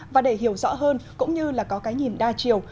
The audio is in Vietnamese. và để hiểu rõ hơn cũng như là có cái nhìn đa chiều